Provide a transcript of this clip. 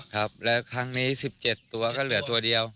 ครับแล้วครั้งนี้๑๗ตัวก็เหลือตัวเดียว